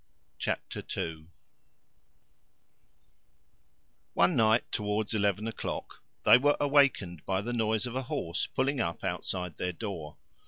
Chapter Two One night towards eleven o'clock they were awakened by the noise of a horse pulling up outside their door.